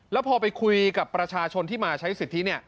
แล้วพอไปคุยกับประชาชนที่มาใช้สิทธิ